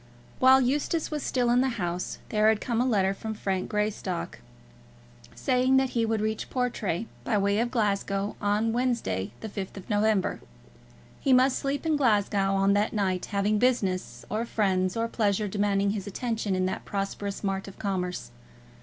While Eustace was still in the house, there had come a letter from Frank Greystock, saying that he would reach Portray, by way of Glasgow, on Wednesday, the 5th of November. He must sleep in Glasgow on that night, having business, or friends, or pleasure demanding his attention in that prosperous mart of commerce.